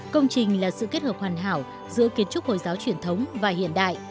công trình là sự kết hợp hoàn hảo giữa kiến trúc hồi giáo truyền thống và hiện đại